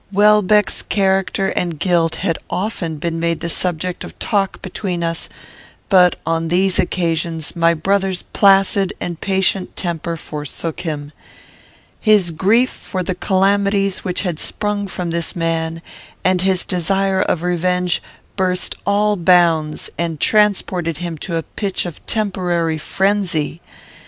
Welbeck's character and guilt had often been made the subject of talk between us, but, on these occasions, my brother's placid and patient temper forsook him. His grief for the calamities which had sprung from this man, and his desire of revenge, burst all bounds, and transported him to a pitch of temporary frenzy.